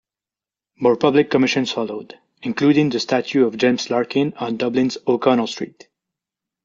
More public commissions followed, including the statue of James Larkin on Dublin's O'Connell Street.